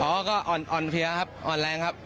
เป็นยังไงบ้างพี่อ๋อก็อ่อนอ่อนเพลียครับอ่อนแรงครับ